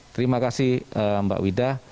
terima kasih mbak widah